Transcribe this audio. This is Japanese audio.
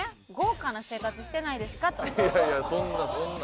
いやいやそんなそんな。